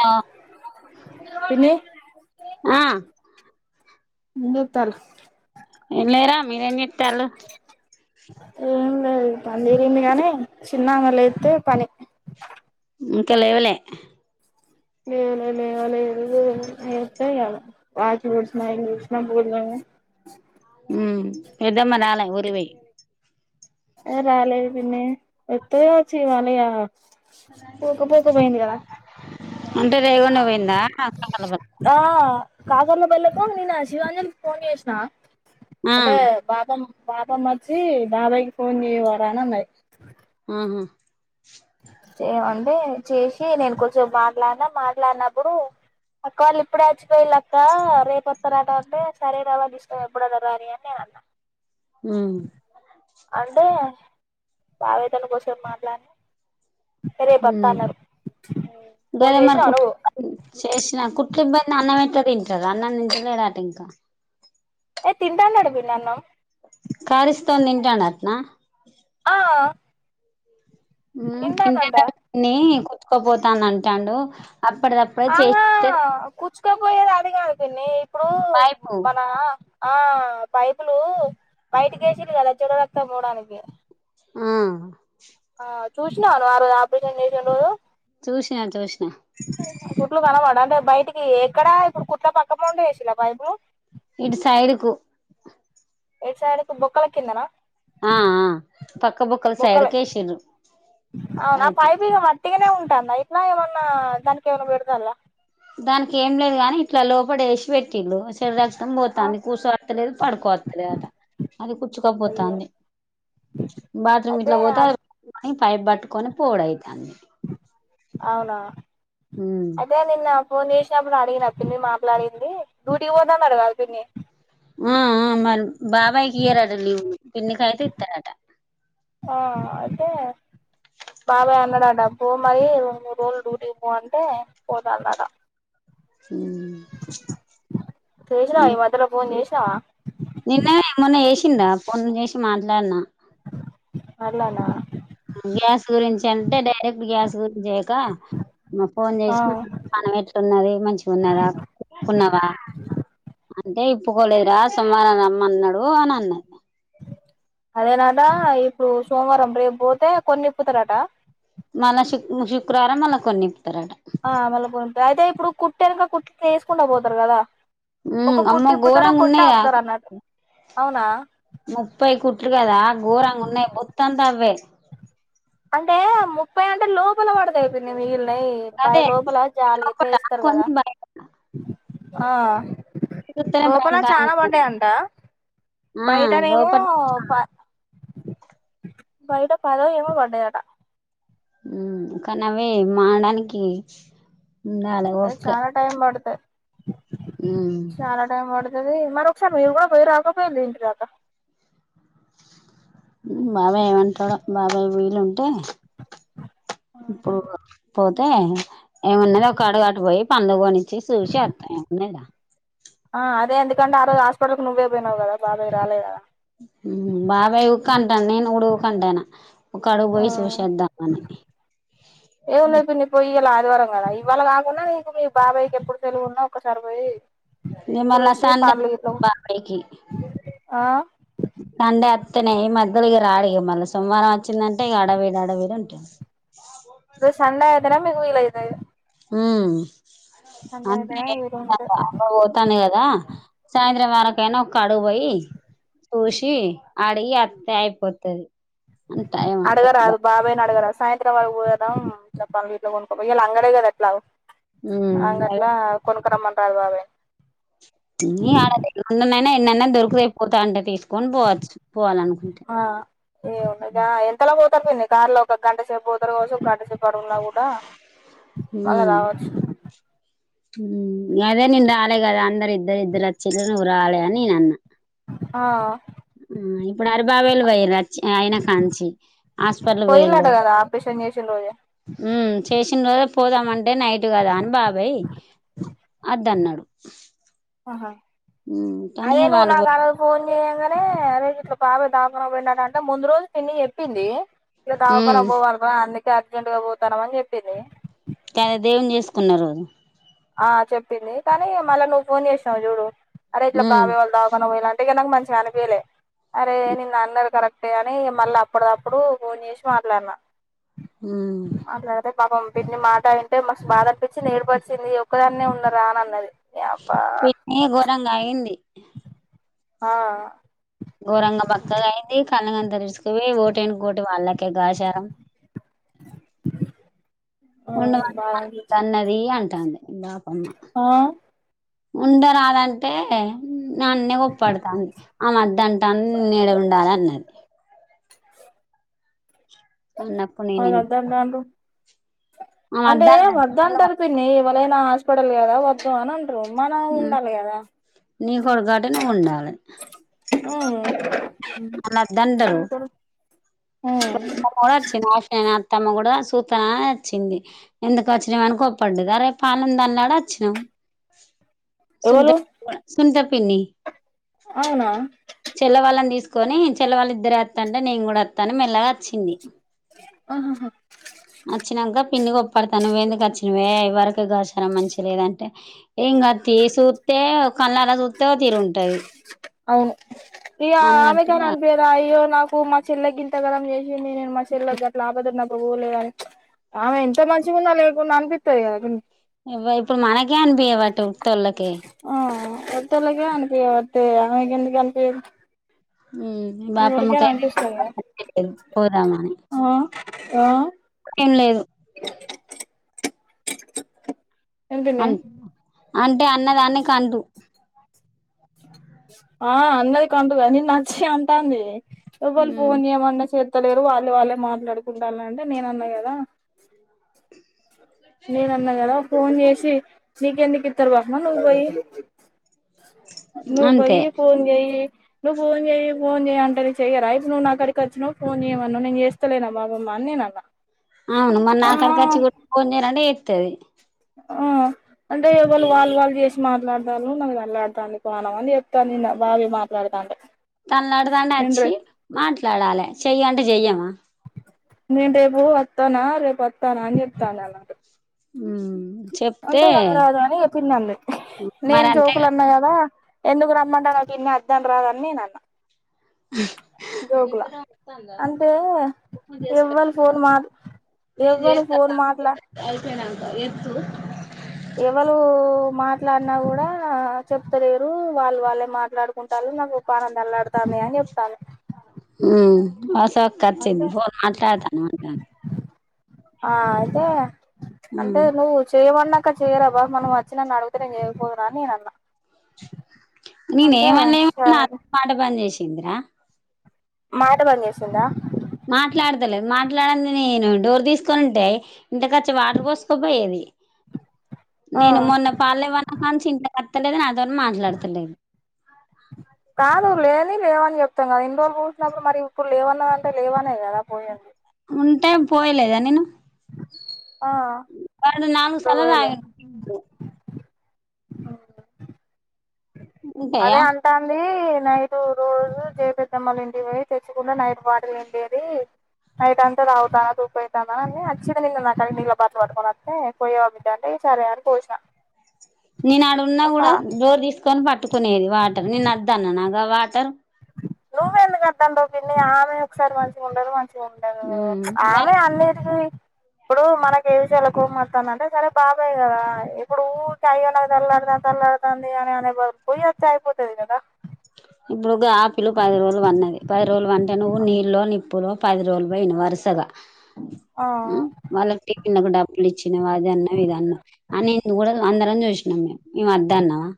ఆ పిన్ని ఆ ము తారు ఎం అయిరా మీరు చేస్తాండు ఏం లేదు పనిరింది కాగాని చిన్నన్న లేయితే పని ఇంకా లేవలే లేవాల లేవాల ఏ ఏయ బ పడుసిన ఇంగ్షిన పోూజ మ్ పెద్దమ్మ రాలె ఉరికిపోయి రాలేదు పిన్ని వస్తే వచ్చిన ఏమీకా పోక పోక పోయింది కదా అంటే రేకుండా పోయిందా ప కో ననా శివాంజలి ఫోన్ చేసిన అంటే బాదం పాాపా మర్చి బాబాయ్కి ఫోన్ చెయ్యేవార అనమాయి ఆహా చేయవండి చేసి నేను కొంచెం మాట్లాడినా మాట్లాడినప్పుడు, పక్క వాళ్ళు ఇప్పుడే అచ్చిపోయి లక్క రేపొత్త రాట అంటే సరే రావాలి ఇస్ట ఎప్పుడోనా రాని అని నేను అన్నా మ్ అంటే ఆవేదన కోసం మాట్లాడాను రేపు పత్తా ఉమ్ అన్నారు ఫోన్ చేసిన అడుగు కుట్ల ఇబ్బంది అన్నం ఎట్లా తిటా, ప్రజాన్నందించలేడాట ఇంకా ఏ తింటానాడుం పిన్ని అన్నం కర్రీ ఇసు తింటాడు అట్నా, ఆ హు తింటానంట తింటండట గాని కుచ్క తాను అంటాండు, అప్పటిదప్పుడే ఆహా చేసిస్తే కుచక పోయ అది కాదు పిన్ని, ఇప్పుడు పైపు మన ఆ పైపులు బయటక వేసిరు కదా చూడు రక్తం పోవడానికి, ఆ ఆ చూసినావా నువ్వు ఆరోజు ఆపరేషన్ చేసిన రోజు చూషినా చూసినా, కుట్లు కనమాడ అంటే బయటికి ఎక్కడా ఇప్పుడు కుట్ల పక్క మ పంటె ఎసిలా పైపులు, ఇటు సైడుకు, ఎటు సైడ్ కు బొక్కల కిందనా, ఆ పక్క బొక్కల సైడ్ బొక్కలే కి ఎసిరు పైపు, వుట్టిగనే ఉంటుందా ఇట్ల ఏమన్నా దానికి ఏమైన్న పెడతాను రా, దానికి ఏం లేదు గాని ఇట్లా లోపడ వేసి పెటి, ల్లు చెడురక్తం ఆ పోతుంది కూర్సోస్తలేదు పడుకోస్తలేదు అట అది అయ్యో కుచుకోపోతుంది బాత్రూమ్ అయితే ఇట్లా పోతే, ఇ పైపు పట్టుకొని పోవుడు అయేతాది, అవునా ఉమ్ అయితే నిన్న ఫోన్, సినప్పుడు అడిగిన పిన్ని మాట్లాడింది డ్యూటీకి పోతుంది ఆటగా పిన్ని, ఆ మరి బాబాయ్ కి ఇయరాట లీవు పిన్నికి అయితే ఇస్తారట, ఆ అయితే బాబాయ్ అన్నాడా పోమరి రెండు మూడు రోజులు డ్యూటీకి పో అంటే పోతందట, ఉమ్ చేసినవా ఈ మధ్యలో ఫోన్ చేసి, నిన్న మొన్న చేసినార ఫోన్ చేసి మాట్లాడినా, ఆలనా, గ్యాస్ గురించి అంటే డైరెక్ట్ గ్యాస్ గురించి, చేయక మా ఫోన్ చేసి ఆ పానం ఎట్లున్నది మంచిగా ఉన్నదా కున్నావా, అంటే ఇప్పుకోలేదురా సోమారం రమ్మన్నాడు అని అన్నది, అదేనాట ఇప్పుడు సోమవారం రేపు పోతే కొన్ని ఇప్పుతారట, మల్ల శుక్రవారం మల్ల కొన్ని ఇప్పుతారట, ఆ మల్ల కొన్ని అయితే ఇప్పుడు కుట్టా ఎనుక కుట్ వసుకుంటడా పోతారు కదా, ఉ ఒక అమ్మ కుట్టి ఇప్పుతారు గఘోరంగా కొట్టి ఉన్నాయా ఆపుతారు అన్నట్టు అవునా ముప్పై కుట్లు కదా గోరంగా ఉన్నాయి బొత్త అంతా అవే, అంటే ముప్పై అంటే లోపల పడతాయి పిన్ని మీ, అయి బయ్ అదే లోపల జాలి గిట్లా లోపట ఏస్తారు కదా కొన్ని బయట ఆ చూస్తేనే లోపల భయంకరంగా చానా ఉన్నది పడ్డైయంట ఆ బయటనేమో లోపట ప బయట పదొ ఏమో పడ్డైయాట హు కానీ ఆవే మానడానికి ఉండాలి అది ఓపిక చాలా టైమ్ పడతది ఉమ్ చాలా టైం పడు అది మరొ ఒకసారి మీరు కూడా పోయి రాకపోయిండ్రు ఇంటి దకా ఉ బాబాయ్ ఏమంటాడో బాబాయ్ వీ లుంటె [unintelligible] పోతే ఏమన్నాది ఒక అడుగటు పోయి పండ్లు కొని సుషాన్ [unintelligible] ఆ అదేందుకంటే ఆ రోజు హాస్పిటల్కి నువ్వే పోయినావు కదా బాబాయ్ రాలే కదా బాబాయ్ ఊక అంటాను నేను కూడా ఊక అంటాను ఒక అడుగు ఆ పోయి చూసేద్దామని ఎం ఉన్నది పిన్ని పొయ్యి ఇయ్యాల ఆదివారం కదా ఇవాళ కాకుండా నీకు మీ బాబాయికి ఎప్పుడు తెలివి ఉన్నా ఒకసారిపోయి మల్ల సండే బాబాయికి ఆ సండే త్తనే ఈ మధ్యల ఇగ రాడిగా మళ్ళ సోమవారం వచ్చిందంటే ఇగ అడవిడి అడవిడి ఉంటది. ఉ సండే నే మికు విలైతది హ్ అంతే అయితేనే వీలు ఉంటది అమ్మ పోతానే కదా సాయం ఎవరకైనా ఒక్కడువోయి చూసి అడిగి అత్తే అయిపోతది అంట ఏమంటారు బా అడగరాదు బాబాయినిడగరాదు సాయంత్రం వరకు పోదాం ఇట్ల పండ్లుగిట్ల కొనుక్కోపొయి ఇయల అంగడే కదా ఎట్లాగో ఉమ్ అదే అంగట్లా కొన్ పట్కరమ్మనరదు బాబాయి ఈ అన్ననైనా ఎన్నన్నైన దొరుకుతయి పోతాంటె తీస్ కొన్ బోవచ్ ఆ ఏమున్నది ఆ ఎంతలా పో ఎంత పిన్ని కార్ల ఒక గంట సేపు పోతారు కావచ్చు ఒక గంటసేపు ఇక్కడున్నా కూడా మళ్ళ రావచ్చు హూమ్ అదే నేన్ రాలె కదా అందరు ఇద్దర్ ఇద్దర్ అచ్చింరు నువు రాలె అని నేనన్న. ఆ ఇప్పుడు హరిబాబాయిలు పోయిరచ్చి అయిన కాంచి. హాస్పిటల్ పోయిలాట పోయిళ్ళు. కదా ఆపరేషన్ చేసిన రోజే ఉమ్ చేశి. ననే పోదామం టే నైట్ కదా అని బాబాయ్ అద్దన్నడు. [inaudible] ఆహా అదే నువ్వు వాళ్ళు పోయి నాకారోజు ఫోన్ చేయంగనే అదే గిట్ల బాబాయ్ దావఖనకు పోయిండట అంటే ముందు రోజు పిన్ని చెప్పిందీ. ఇగ మ్మ్, దావఖనకు పోవల్రా అన్ని అర్జెంట్ గా పోతానం అని చెప్పిందీ. కాదే దేవున్ని చేసుకున్న రోజు. ఆ చెప్పింది కానీ ఇగ మళ్ళీ నువ్వు ఫోన్ చేసినవ్ చూడు. అరే ఇట్ల మ్మ్, బాబాయ్ వాళ్ళు దావఖనకు పోయిల్లంటే ఇగ నాక్ మంచ్ కనిపియలే అరే నిన్న అన్నరు కరెక్టే అనీ ఇగ మళ్ళ అప్పడదప్పుడూ ఫోన్ చేసి మాట్లాడినా. హుమ్ మాట్లాడితే పాపం పిన్ని మాట ఇంటే మస్ బాధ అనిపించింది ఏడుపొచ్చింది ఒక్ క్కదాన్నే ఉన్నరానన్నది. పిన్ని ఘోరంగాయింది ఇహ్ ఆహ్ ఘోరంగ బక్కగయింది కళ్ళగంతల్ ఇరుస్క్ బొయ్ ఓటెనకఓటి వాళ్ళక్ గ గాచారం ఉండమంట బాధ అనిపించింది [inaudible] అన్నదీ అంటాంది బాపమ్మ ఆ ఉండరాదంటే నన్నే కోప్పడతాంది ఆమద్దంటా నీనేడ ఉండాలి అన్నది అన్నప్పుడు ఎవళ్ నేనేం వద్దటాండ్రు ఆమె అంటే వద్దంటంది వద్దంటరు పిన్ని ఎవలైనా పడల్ లేద వద్దు అనన్న ట్రు మనం ఉండాలి కదా నీ కొడుకటే నువు ఉండాలే ఉమ్ ఆల్ వద్దంటరూ ఉమ్ [inaudible] వచ్చిన [inaudible] అతమ్మ కూడా సూతా అని అచ్చింది. ఎందుకు వచ్చినవని కోప్పడ్డది. అరే పానం తనలాడి వచ్చినం. సునిత ఎవలు సునిత పిన్ని. అవునా చల్ల వాళ్ళని తీసుకొనీ చెల్ల వాళ్ళ ఇద్దరే వత్తాంటే నేను కూడ వత్తా అని మెల్లగా అచ్చింది. వచ్చినాక పిన్ని కోప్పడతా నువ్వెందుకు అర్చినవే ఇది వరకు గహచారం మంచి లేదా అంటే ఏం గాద్ తీ సూత్తే కళ్ళారా సుత్ త్త తీరు ఉంటది అవును ఇగ ఆమెగాని అనిపీదా అయ్యో నాకు మా చెల్లకి ఇంత గనం చే ఇక నేనే మా చెల్లెకి గట్ల ఆపదలో ఉన్నప్ ఎవ్వూరు లేరు అని ఆమె ఎంత మంచిగా ఉన్నా లేకున్నా అనిపిత్తది గదా కొన్ని ఎవ్వర్ ఇప్పుడు మనకే అనిపీయబట్టే ఉత్తొల్లక్ ఆ ఉత్తొల్లకే అనిపీయకపోతే ఆమెకేందుకు అనిపీదు మీ బాపమ్మకైన కదా [inaudible] పోదామని ఆ ఆ ఏం లేదు ఏం పిన్ని అనుకున్నా అన్ టే అన్నదాని కందూ ఆ అందరి కందుగా నిన్ నచ్చి అంటాంది ఎవల్ ఉమ్ ఫోన్ చేయమన్నా చేత్ ంత లేదు వాళ్ళు వాళ్ళే మాట్లాడుకుంటానంటే నేన అన్నా గదా నేనన్న గదా ఫోన్ చేసి నీకెందుక్ పిత్తర్ బాప్మా నువ్వు బోయ్యి అ నువ్వు బొయ్యి ఫోన్ చెయ్యి నువ్ ఫోన్ చేయ్యి ఫోన్ చేయ్ అంటే లిఫ్ట్ చెయ్యరా ఇప్పుడు నాకాడికి వచ్చినవ్. ఫోన్ చేయమన్నావ్. నేను చేస్తలేనా బావ అని నేనన్నా అవును మరి నాకాడికి వచ్చి కూడా ఫోన్ చేయ్ రా అంటే ఏడ్చ్ తది ఊ అంటే ఇగ వాళు వాళ్ళు వాళ్ళు చేసి మాట్లాడతారు నా మీద అల్లాడితాండి పోదాం అని చెప్తాంది నిన్న బావే మాట్లాడతాంటే తన్లాడతానే వచ్చి మాట్లాడాలే చెయ్యంటే చెయ్య మా నేను రేపు వత్తానా రేపు వత్తానా అని చెప్తంది వాల్ నాతో హ్మ్ అంటే రా రాద అని పిన్ని అంది నేను మరి అంతే జోకులన్న గదా ఎందుకు రమ్మంటావ పిన్ని వద్దంటరా నేన్ అన్నా జోకులా అంటే ఎవ్వళ్ళు ఫోన్ మాట్లా ఎవ్వరు ఫోన్ మాట్లా ఎవరు మా ఇట్లా అన్నా కూడా చెప్తలేరు వాళ్ళు వాళ్ళే మాట మాట్లాడుకుంటాారు నాకు ప్రాణం తనక్కడుతాంది అని చెప్తారు అ అంత ఖర్చుఅయేది ఫోన్ మాట్లాడతానువు అంటది ఆ అయితే అంటే ఉమ్ నువ్వు చేయమన్న ఇక్క చేయరా బాగా మనం వచ్చి నన్ను అడుగుతే నేను చేయకపోతునా అని నేను అన్నా నేను అంటే ఏమన్నా ఏమన్నా సరే మాట బంద్ చేసింది ఏందిరా మాట బంద్ చేసిందా మాట్లాడతలేదు [unintelligible] నేను డోర్ తీసుకని ఉంటే ఇంట్లో కొచ్చివాటర్ పోసుకోపోయేది నేను ఆ మొన్న పాలు లేవన్న కాంచి వత్తాలేదు నాతో కాదు లేంది లేవు అని చెప్తాం కదా ఇన్ని రోజులు [unintelligible] మరి ఇప్పుడు లేవన్నదంటే లేవనే కదా పోయింది ఉంటేం పోయలేదా నేను ఆ కాదు నాలుగు ఇప్పుడు సలలు పోయలే హు ఉంటాయా అదే అంట ఉంది నైటు రోజు జే పెద్దెమ్మలు ఇంటి కి పోయి తెచ్చుకున్న నైట్ వాటర్ నింేది నైట్ అంతా రావుతాను తూపువుతాను అచ్చి నాక్కడ నీ బాటిల్ పట్టుకొని వేస్తే పోయేవాబద్ద అంటే సరేని పోసాను నేను ఆడున్నా కూడా డోర్ తీసుకొని పట్ట పట్టుకునేది వాటర్ నేను వద్దన్న నా గ వాటర్ నువ్వ ఎందుకు [unintelligible] పిన్నీ ఆమె ఒకసారి మంచిగా ఉండదు మంచి చూండదు ఉమ్ దానికి ఆమె అన్నిటికి ఇప్పుడు మనకు ఏ విషయాాల కోపమతాంది అంటే సరే బాబాయ్ కదా ఇప్పుడు ఊ అయ్యో నాకు తల్లలాడుతా తల్లడుతుాంది అని అనే పోయి వచ్చి అయిపోతుది కదా ఇప్పుడు ఆపిలు పది రోజులు వన్నది పది రోజులు వంటే నువ్వు నీళ్ళలో నిప్పులో పది రోజులు పోయివు వరుసగా ఆ వాళ్ళకికు డాబ్బ లు ఇచ్చిన అది అన్న ఇదన్న అనేసి కూడా అందరని చూసినాం మేము మేం వద్దు అన్నమా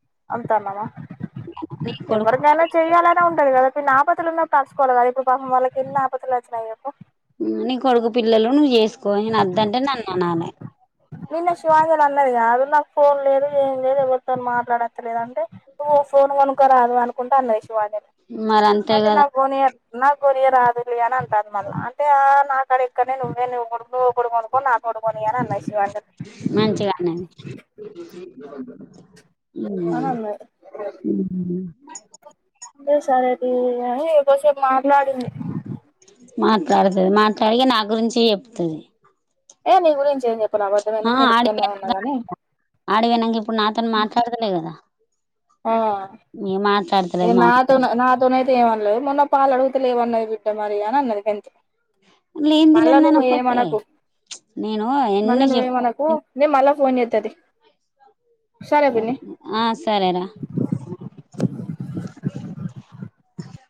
[unintelligible] నీ కొడుకు ఎవరికైనా చెయ్యాలనే ఉంటది కదా న్ని ఆపతులున్న పడుచుకోాలి కదదు ఇప్పు పాపం వాళ్ళకి ఎన్ని ఆపతు వచ్చినయి చెప్పు నీ కొడుకు పిల్లలు నువ్వు చేసు [inaudible] అద్దంటే నన్ననాలె నిన్న శివాజీలు అన్నది కాదు నాకు ఫోన్ లేదు ఏం లేదు ఎవరితోన్ మాట్లాడత్తలేదంటే నువ్వు ఫోన్ కొనుక్కోరాదు అనుకుంట అన్నది. మరి అంతే అంటే కదా నాక్ కొనియద్దు. నాక్ కొరియ రాదులె అని అంటారు మళ్ళా అంటే నాక్కడ ఇక్కడనే నువ్వే నువ్వు నువ్వు కొనుక్కో కొనుక్కని ఇంకోట్ కొని అని అన్నది. శివాంజలి మంచిగా అనని అని అన్నది ఉ సరేతీ గని కొద్దిసేప్ మాట్లాడింది. మాట్లాడ్తది మాట్లాడి ఇగ నా గురించే చెప్తది. ఏ నీ గురించి ఏం చెప్ ప్చ్ ఆ ఆడికిపోయినక ఆడికిపోయినాక ఇప్పుడు నాతోనీ మాట్లాడతలే కదా ఆ ఏ మాట్లాడతలేదు మా అమ్మ నాతోన్ నాతోనైతే ఏమ్ అన్లేదు మొన్న పాల్ అడుగుతలేవన్నది బిడ్డ మరి అన్నది గంతే లేంది మళ్ళా నువ్వు లేందనకపోతే ఏమనకు ప్చ్ నేను అయన్ని చెప్ ఫోన్చేత తి ఆ సరేరా కి ర్ కి ర్ [inaudible]